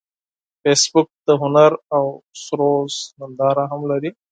فېسبوک د هنر او موسیقۍ ننداره هم لري